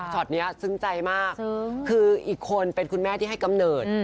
นี้ซึ้งใจมากคืออีกคนเป็นคุณแม่ที่ให้กำเนิด